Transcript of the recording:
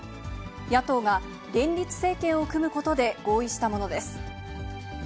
野党が連立政権を組むことで合意したものです。